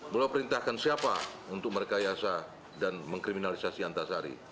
beliau perintahkan siapa untuk merekayasa dan mengkriminalisasi antasari